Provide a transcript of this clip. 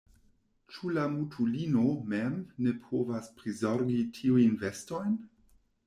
Ĉu la mutulino mem ne povas prizorgi tiujn vestojn?